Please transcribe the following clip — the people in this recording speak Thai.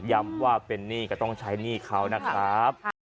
ย้ำว่าเป็นหนี้ก็ต้องใช้หนี้เขานะครับ